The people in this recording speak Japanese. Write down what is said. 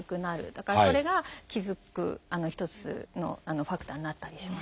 だからそれが気付く一つのファクターになったりしますね。